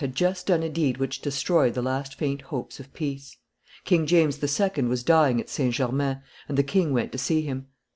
had just done a deed which destroyed the last faint hopes of peace. King James II. was dying at St. Germain, and the king went to see him.